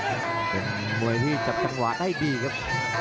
เป็นมวยที่จับจังหวะได้ดีครับ